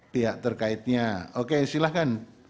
pihak terkaitnya oke silahkan